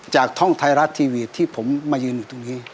ท่องไทยรัฐทีวีที่ผมมายืนอยู่ตรงนี้